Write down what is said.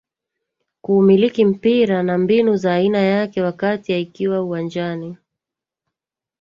Kuumiliki mpira na mbinu za aina yake wakati aikiwa uwanjani